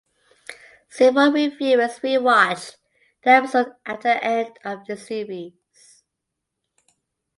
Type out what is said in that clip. Several reviewers re-watched the episode after the end of the series.